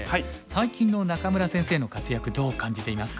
最近の仲邑先生の活躍どう感じていますか？